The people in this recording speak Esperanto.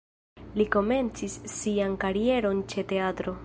Li komencis sian karieron ĉe teatro.